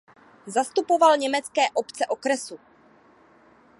Zastupoval německé obce okresu.